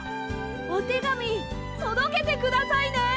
おてがみとどけてくださいね！